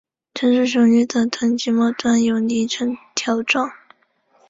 成熟雄鱼的臀鳍末端游离呈条状。